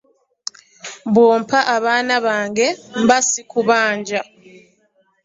Bw'ompa abaana bange mba ssikubanja.